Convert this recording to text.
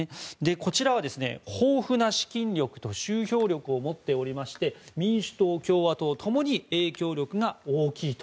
こちらは豊富な資金力と集票力を持っておりまして民主党・共和党共に影響力が大きいと。